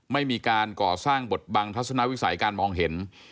ไม่มีการก่อสร้างบทบังทัศนวิสัยการมองเห็น